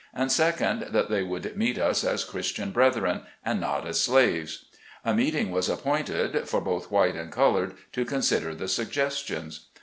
And second, that they would meet us as Christian brethren, and not as slaves. A meeting was appointed, for both white and col ored, to consider the suggestions.